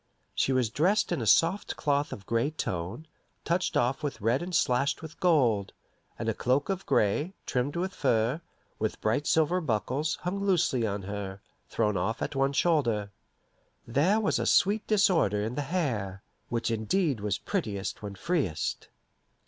She was dressed in a soft cloth of a gray tone, touched off with red and slashed with gold, and a cloak of gray, trimmed with fur, with bright silver buckles, hung loosely on her, thrown off at one shoulder. There was a sweet disorder in the hair, which indeed was prettiest when freest.